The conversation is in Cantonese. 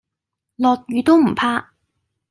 落雨都唔怕